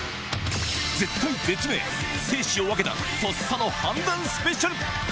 絶体絶命、生死を分けたとっさの判断スペシャル。